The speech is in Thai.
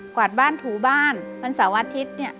กวาดบ้านถูบ้านบรรสาวอาทิตย์